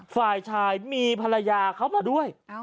ฝ่ายชายมีภรรยาเขามาด้วย